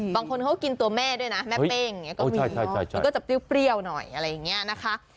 บางคนเขากินตัวแม่ด้วยนะแม่เป้งอย่างนี้ก็มีมันก็จะเปรี้ยวหน่อยอะไรอย่างนี้นะคะ